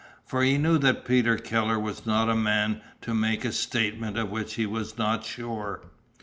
For he knew that Peter Keller was not a man to make a statement of which he was not sure.